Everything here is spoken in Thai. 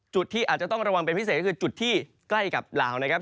จุดที่อาจจะต้องระวังเป็นพิเศษก็คือจุดที่ใกล้กับลาวนะครับ